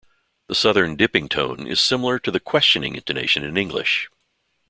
The Southern "dipping" tone is similar to the questioning intonation in English.